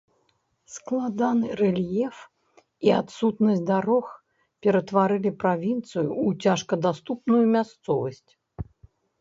Складаны рэльеф і адсутнасць дарог ператваралі правінцыю ў цяжкадаступную мясцовасць.